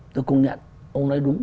tôi công nhận ông nói đúng